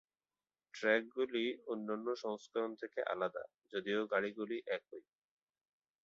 ট্র্যাকগুলি অন্যান্য সংস্করণ থেকে আলাদা, যদিও গাড়িগুলি একই।